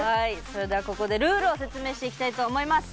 それでは、ここでルールを説明していきたいと思います。